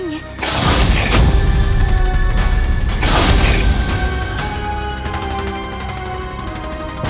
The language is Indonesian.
apakah terjadi sesuatu